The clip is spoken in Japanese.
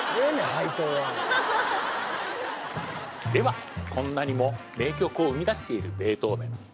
配当はではこんなにも名曲を生み出しているベートーヴェン